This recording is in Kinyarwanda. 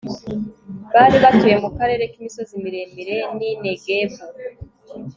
bari batuye mu karere k'imisozi miremire n'i negebu+